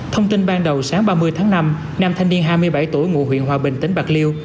thông tin ban đầu sáng ba mươi tháng năm nam thanh niên hai mươi bảy tuổi ngụ huyện hòa bình tỉnh bạc liêu